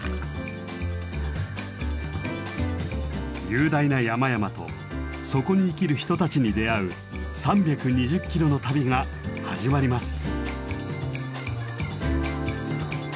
雄大な山々とそこに生きる人たちに出会う３２０ｋｍの旅が始まります！